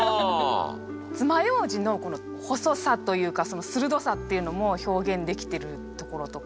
爪楊枝のこの細さというか鋭さっていうのも表現できてるところとか。